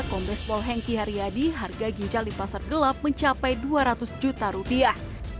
kompes pol hengkihariadi harga ginjal di pasar gelap mencapai dua ratus juta rupiah